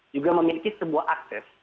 juga memiliki sebuah akses